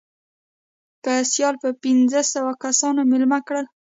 که سیال به پنځه سوه کسان مېلمانه کړل.